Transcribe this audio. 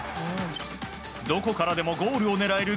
どこからでもゴールを狙える